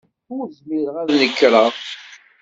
Ur zmireɣ ad d-nekreɣ.